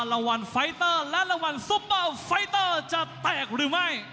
รางวัลไฟเตอร์และรางวัลซุปเปอร์ไฟเตอร์จะแตกหรือไม่